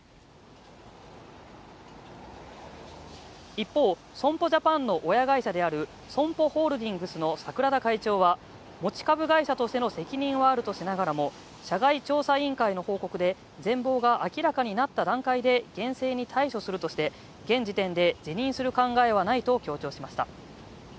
一方、損保ジャパンの親会社であるＳＯＭＰＯホールディングスの櫻田会長は持ち株会社としての責任はあるとしながらも社外調査委員会の報告で全貌が明らかになった段階で厳正に対処するとしていて、現時点で辞任する考えはないと強調しました。